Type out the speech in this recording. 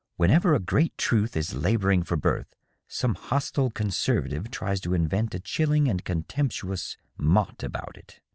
Whenever a great truth is laboring for birth, some hostile conservative tries to invent a chilling and contemptuous mot about it.